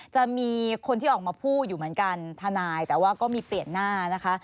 จะมีคนที่ออกมาพูดอยู่เหมือนกันทนายแต่ว่าก็มีเปลี่ยนหน้านะคะ